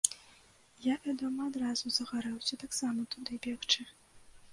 Я, вядома, адразу загарэўся таксама туды бегчы.